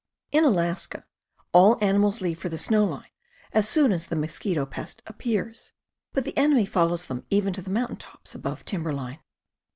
In Alaska, all animals leave for the snow line as soon as the mos quito pest appears, but the enemy follows them even to the mountain tops above timber line.